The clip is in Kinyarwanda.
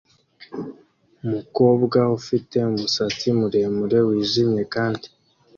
Umukobwa ufite umusatsi muremure wijimye kandi